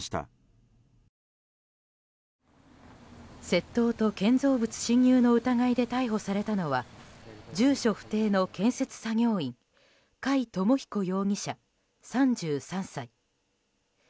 窃盗と建造物侵入の疑いで逮捕されたのは住所不定の建設作業員貝知彦容疑者、３３歳。